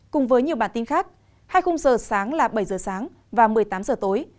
cùng với nhiều bản tin khác hai khung giờ sáng là bảy giờ sáng và một mươi tám giờ tối